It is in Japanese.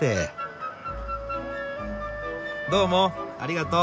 どうもありがとう。